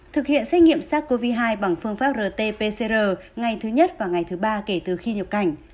thực hiện xét nghiệm sars cov hai bằng phương pháp rt pcr ngày thứ nhất và ngày thứ ba kể từ khi nhập cảnh